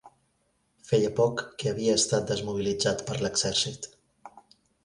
Feia poc que havia estat desmobilitzat per l'exèrcit.